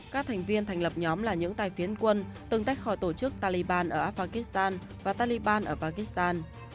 các thành viên thành lập nhóm là những tài phiến quân tương tách khỏi tổ chức taliban ở afghanistan và taliban ở pakistan